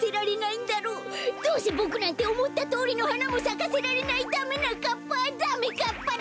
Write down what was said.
どうせボクなんておもったとおりのはなもさかせられないダメなかっぱダメかっぱだ！